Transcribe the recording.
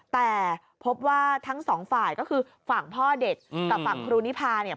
แต่พบว่าทั้งสองฝ่ายก็คือฝั่งพ่อเด็กกับฝั่งครูนิพาเนี่ย